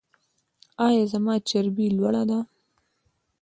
ایا زما چربي لوړه ده؟